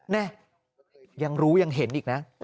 นี่ยังรู้ยังเห็นอีกนะ